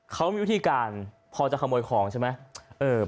เขามีวิธีการพอจะขโมยของใช่ไหม